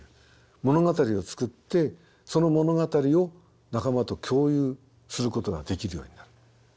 物語を作ってその物語を仲間と共有することができるようになる。